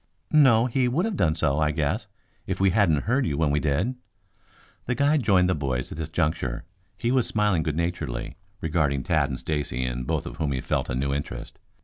"No. He would have done so, I guess, if we hadn't heard you when we did." The guide joined the boys at this juncture. He was smiling good naturedly, regarding Tad and Stacy, in both of whom he felt a new interest.